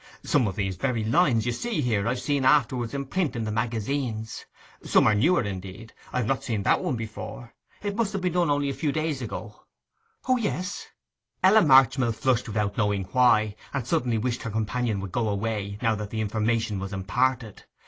Some of these very lines you see here I have seen afterwards in print in the magazines. Some are newer; indeed, I have not seen that one before. It must have been done only a few days ago.' 'O yes! ...' Ella Marchmill flushed without knowing why, and suddenly wished her companion would go away, now that the information was imparted.